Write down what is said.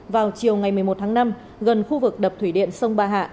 vào chiều ngày một mươi một tháng năm gần khu vực đập thủy điện sông ba hạ